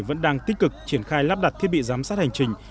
vẫn đang tích cực triển khai lắp đặt thiết bị giám sát hành trình